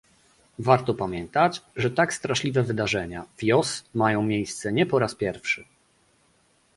Warto pamiętać, że tak straszliwe wydarzenia w Jos mają miejsce nie po raz pierwszy